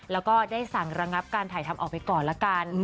แล้วก็ได้สั่งระงับการถ่ายทำออกไปก่อนละกัน